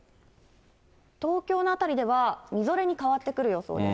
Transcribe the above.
東京の辺りでは、みぞれに変わってくる予想です。